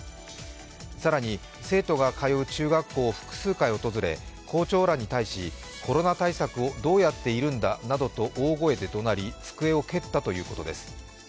更に、生徒が通う中学校を複数回訪れ、校長らに対しコロナ対策をどうやっているんだなどと大声でどなり机を蹴ったということです。